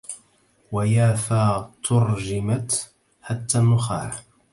ويافا تُرجمتْ حتى النخاع